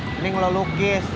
mending lu lukis